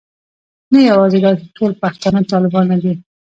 نه یوازې دا چې ټول پښتانه طالبان نه دي.